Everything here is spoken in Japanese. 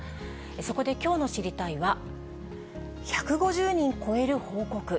そこできょうの知りたいッ！は、１５０人超える報告。